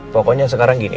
pokoknya sekarang gini